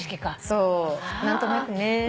そう何となくね。